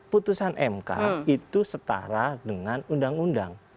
putusan mk itu setara dengan undang undang